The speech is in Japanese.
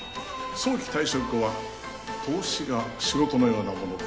早期退職後は投資が仕事のようなものです。